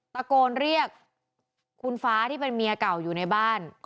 ตะโกนเรียกคุณฟ้าที่เป็นเมียเก่าอยู่ในบ้าน